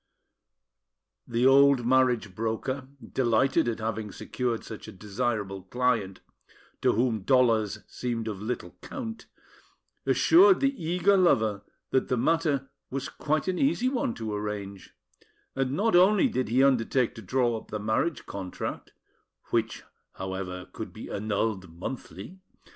The old marriage broker, delighted at having secured such a desirable client, to whom dollars seemed of little count, assured the eager lover that the matter was quite an easy one to arrange; and not only did he undertake to draw up the marriage contract (which, however, could be annulled monthly!)